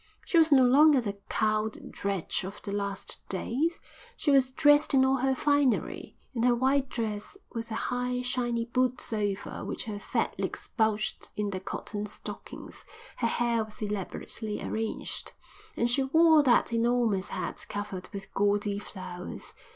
She was no longer the cowed drudge of the last days. She was dressed in all her finery, in her white dress, with the high shiny boots over which her fat legs bulged in their cotton stockings; her hair was elaborately arranged; and she wore that enormous hat covered with gaudy flowers.